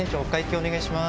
お願いします。